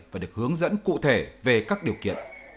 và được hướng dẫn cụ thể về các kế hoạch